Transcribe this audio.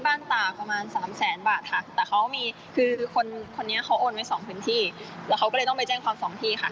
แล้วเขาก็เลยต้องไปแจ้งความส่องที่ค่ะ